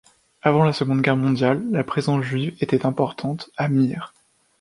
Avant la Seconde Guerre mondiale, la présence juive était importante à Mir.